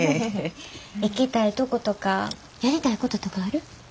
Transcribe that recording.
行きたいとことかやりたいこととかある？